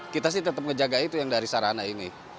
kita sih tetap ngejaga itu yang dari sarana ini